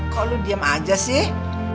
kok lu diem aja sih